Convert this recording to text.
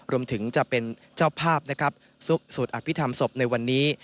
รวมถึงจะเป็นเจ้าภาพนะครับสวดอภิษฐรรมศพในวันนี้